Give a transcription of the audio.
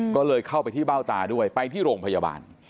ก็เลยเข้าไปที่เบ้าตาด้วยไปที่โรงพยาบาล